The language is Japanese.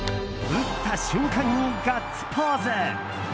打った瞬間にガッツポーズ。